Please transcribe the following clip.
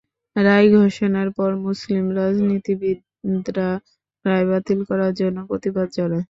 রায় ঘোষণার পর মুসলিম রাজনীতিবিদরা রায় বাতিল করার জন্য প্রতিবাদ জানায়।